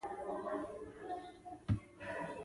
تعصب، خودغرضي، غرور او جاه طلبي پيدا کوي.